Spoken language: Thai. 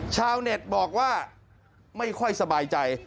ชาวเน็ตบอกว่าไม่ค่อยสบายใจ